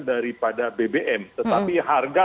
daripada bbm tetapi harga